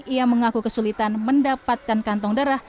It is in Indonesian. ia mengaku kesulitan mendapatkan kantong darah